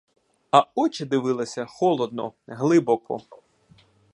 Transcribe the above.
А очі дивилися холодно, глибоко.